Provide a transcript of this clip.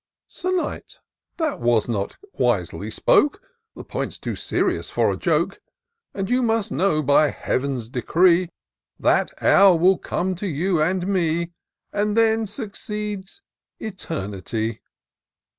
" Sir Knight, that was not wisely spoke ; The point's too serious for a joke ; And you must know, by Heav'n's decree. That hour will come to you and me. And then succeeds — ^Eternity."